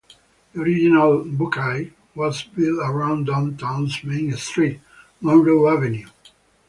The original Buckeye was built around downtown's main street, Monroe Avenue.